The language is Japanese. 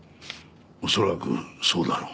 恐らくそうだろう。